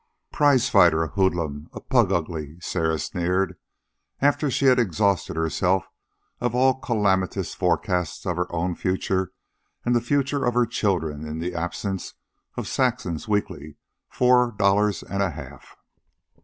"A prizefighter, a hoodlum, a plug ugly," Sarah sneered, after she had exhausted herself of all calamitous forecasts of her own future and the future of her children in the absence of Saxon's weekly four dollars and a half.